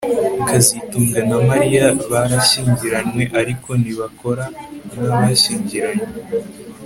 kazitunga na Mariya barashyingiranywe ariko ntibakora nkabashyingiranywe